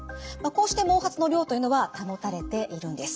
こうして毛髪の量というのは保たれているんです。